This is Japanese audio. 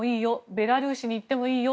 ベラルーシに行ってもいいよ